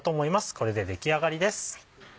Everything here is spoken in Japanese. これで出来上がりです。